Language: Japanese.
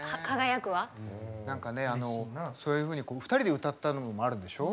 何かねそういうふうに２人で歌ったのもあるんでしょ？